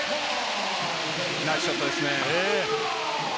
ナイスショットですね。